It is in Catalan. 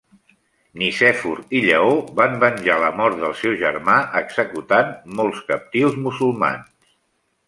Nicèfor i Lleó van venjar la mort del seu germà executant molts captius musulmans.